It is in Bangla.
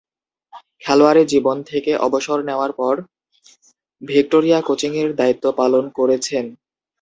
খেলোয়াড়ী জীবন থেকে অবসর নেয়ার পর ভিক্টোরিয়ার কোচিংয়ের দায়িত্ব পালন করেছেন।